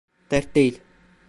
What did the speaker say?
Dert değil.